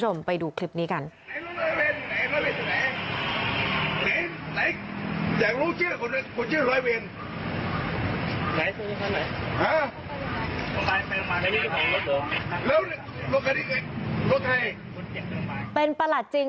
เป็นประหลัดจริงไม่จริง